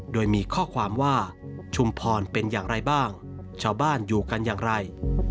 โดยมีข้อความว่าชุมพรเป็นอย่างไรบ้างชาวบ้านอยู่กันอย่างไร